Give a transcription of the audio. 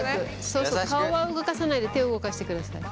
そうそう顔は動かさないで手を動かしてください。